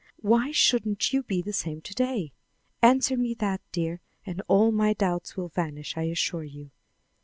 Why shouldn't you be the same to day? Answer me that, dear, and all my doubts will vanish, I assure you."